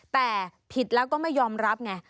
แต่ผิดแล้วก็ไม่ยอมรับไง